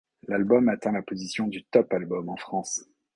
L'album atteint la position du top album en France.